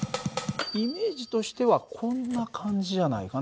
イメージとしてはこんな感じじゃないかな。